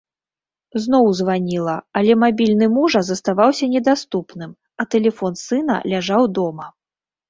Зноў званіла, але мабільны мужа заставаўся недаступным, а тэлефон сына ляжаў дома.